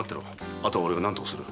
あとは俺が何とかする。